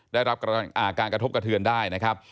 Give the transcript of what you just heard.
ได้รับการกระทบกระเทือนได้นะครับ